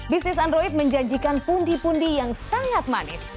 bisnis android menjanjikan pundi pundi yang sangat manis